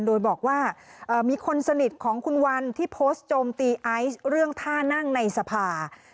โดยบอกว่ามีคนสนิทของคุณวันที่โพสต์โจมตีไอซ์เรื่องท่านั่งในสภา